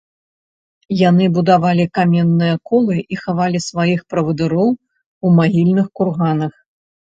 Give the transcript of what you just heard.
Яны будавалі каменныя колы і хавалі сваіх правадыроў ў магільных курганах.